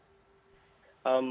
selain poster yang aku dapatkan